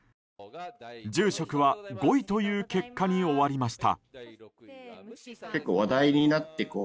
住職は５位という結果に終わりました。